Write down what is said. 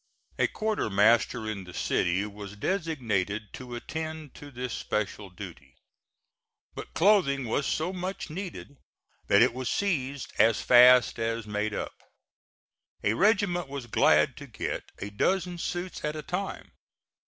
A quartermaster in the city was designated to attend to this special duty; but clothing was so much needed that it was seized as fast as made up. A regiment was glad to get a dozen suits at a time.